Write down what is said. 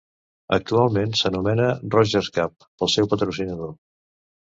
Actualment s'anomena Rogers Cup pel seu patrocinador.